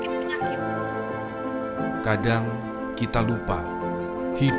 sembilan puluh dolar lebih banyak nggak di tanggung jawab